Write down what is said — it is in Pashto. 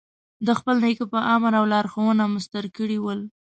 د خپل نیکه په امر او لارښوونه مسطر کړي ول.